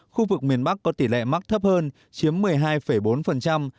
khu vực miền bắc có tỷ lệ mắc thấp hơn chiếm một mươi hai bốn